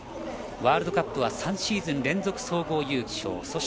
ワールドカップは３シーズン総合優勝。